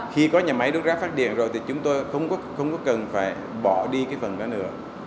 khi có nhà máy đốt rác phát điện rồi thì chúng tôi không có cần phải bỏ đi cái phần đó nữa